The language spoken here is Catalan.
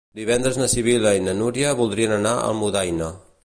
Divendres na Sibil·la i na Núria voldrien anar a Almudaina.